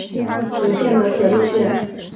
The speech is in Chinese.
本线的铁路线。